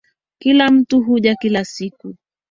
Kila mtu huja kila siku.